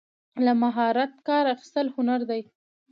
له مهارته کار اخیستل هنر دی.